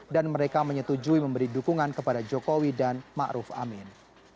dan mereka menyetujui memberi dukungan kepada jokowi dan ma'ruf amin